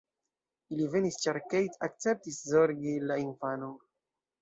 Ili venis ĉar Kate akceptis zorgi la infanon.